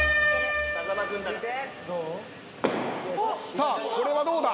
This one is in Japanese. さあこれはどうだ？